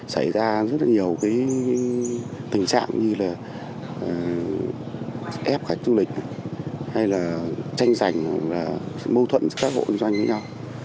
xảy ra rất nhiều tình trạng như ép cả chức lịch tranh giành mâu thuẫn các hội doanh với nhau